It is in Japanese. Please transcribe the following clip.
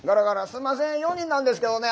すんません４人なんですけどね。